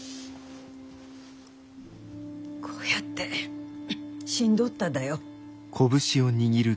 こうやって死んどっただよ。